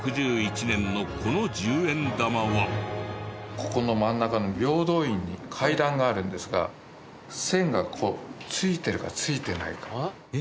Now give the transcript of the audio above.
ここの真ん中の平等院に階段があるんですが線がこう付いてるか付いてないか。